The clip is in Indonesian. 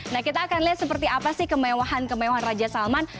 nah kita akan lihat seperti apa sih kemewahan kemewahan raja salman